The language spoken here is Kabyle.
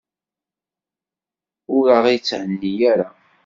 Ur aɣ-itthenni ara.